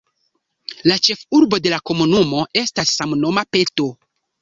La ĉefurbo de la komunumo estas la samnoma Peto.